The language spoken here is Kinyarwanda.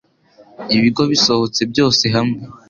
Ibigo bisohotse byose hamwe